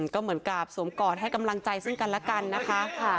ก็เหมือนกับสวมกอดให้กำลังใจซึ่งกันแล้วกันนะคะ